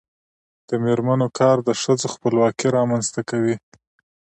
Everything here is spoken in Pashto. د میرمنو کار د ښځو خپلواکي رامنځته کوي.